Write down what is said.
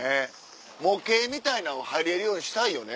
模型みたいなの入れるようにしたいよね。